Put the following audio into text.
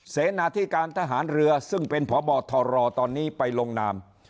เสนาธิการทหารเรือซึ่งเป็นพบทรตอนนี้ไปลงนาม